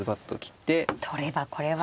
取ればこれは。